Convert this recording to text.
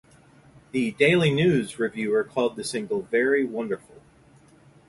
The "Daily News" reviewer called the single "very wonderful".